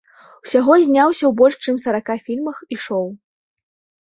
Усяго зняўся ў больш чым сарака фільмах і шоў.